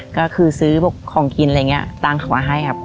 ก็คือซื้อพวกของกินอะไรอย่างนี้ตังค์เขามาให้ครับ